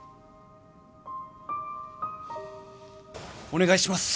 お願いします！